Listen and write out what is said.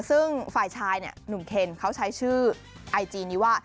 ซึ่งฝ่ายชายเนี่ยหนุ่มเคนเขาใช้ชื่อไอจีนี้ว่า